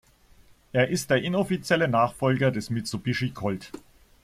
Er ist der inoffizielle Nachfolger des Mitsubishi Colt.